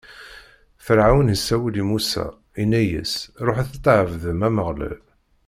Ferɛun isawel i Musa, inna-as: Ṛuḥet Ad tɛebdem Ameɣlal.